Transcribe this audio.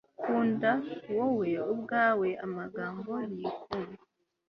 kunda wowe ubwawe amagambo yikunda